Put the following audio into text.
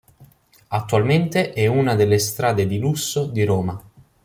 Attualmente è una delle strade di lusso di Roma.